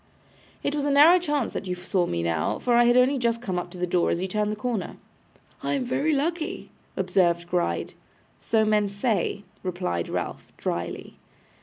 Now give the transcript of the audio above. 'It was a narrow chance that you saw me now, for I had only just come up to the door as you turned the corner.' 'I am very lucky,' observed Gride. 'So men say,' replied Ralph, drily.